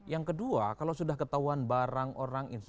yang kedua kalau sudah ketahuan barang orang